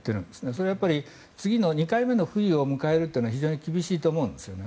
それはやっぱり次の２回目の冬を迎えるのは非常に厳しいと思うんですよね。